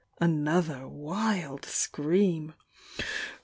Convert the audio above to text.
Another wild scream.